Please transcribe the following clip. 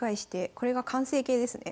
これが完成形ですね。